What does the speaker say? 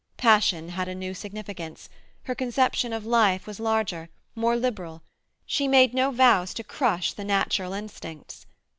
Passion had a new significance; her conception of life was larger, more liberal; she made no vows to crush the natural instincts.